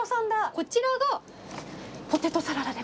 こちらがポテトサラダでございます。